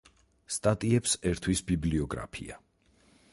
სტატიებს ერთვის ბიბლიოგრაფია.